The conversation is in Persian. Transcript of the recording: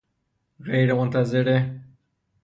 غیر منتظره